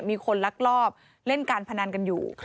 มีคนลักลอบเล่นการพนันกันอยู่